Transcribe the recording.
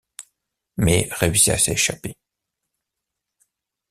May réussit à s'échapper.